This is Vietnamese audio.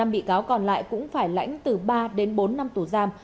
năm bị cáo còn lại cũng phải lãnh từ ba đến bốn năm tù giam